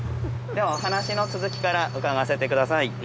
ではお話の続きから伺わせてください。